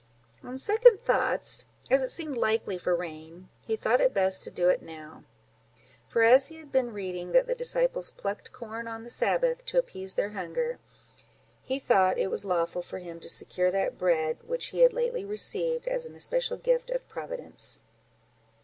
On second thoughts, as it seemed likely for rain, he thought it best to do it now; for as he had been reading that the disciples plucked corn on the Sabbath day, to appease their hunger, he thought it was lawful for him to secure that bread which he had lately received as an especial gift of Providence.